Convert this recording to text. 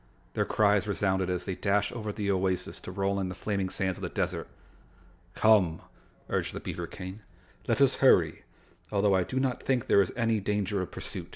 Their cries resounded as they dashed over the oasis to roll in the flaming sands of the desert. "Come," urged the beaver King, "let us hurry, although I do not think there is any danger of pursuit."